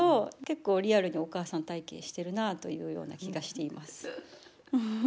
結構リアルにお母さん体験してるなというような気がしています。